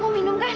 mau minum kan